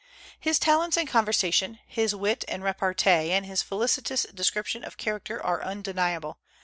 His talents and conversation, his wit and repartee, and his felicitous description of character are undeniable.